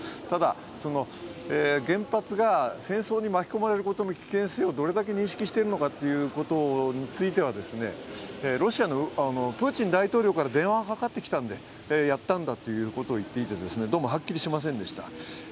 ただ、原発が戦争に巻き込まれることの危険性をどれだけ認識しているのかということについては、プーチン大統領から電話がかかってきたんでやったんだということを言っていてどうもはっきりしませんでした。